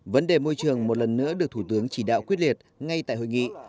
vấn đề môi trường một lần nữa được thủ tướng chỉ đạo quyết liệt ngay tại hội nghị